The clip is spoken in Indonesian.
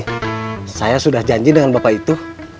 saya sudah janji dengan bapak itu